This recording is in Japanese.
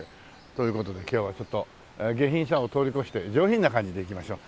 という事で今日はちょっと下品さを通り越して上品な感じでいきましょう。